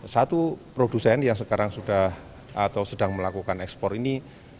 satu produsen yang sekarang sudah atau sedang melakukan ekspor ini